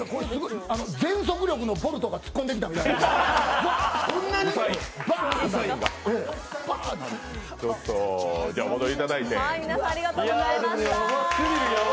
全速力のボルトが突っ込んできたぐらいウサインが？